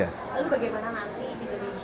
lalu bagaimana nanti di indonesia terutama di bpk ini